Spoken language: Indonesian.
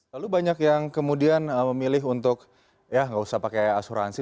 lalu banyak yang kemudian memilih untuk ya nggak usah pakai asuransi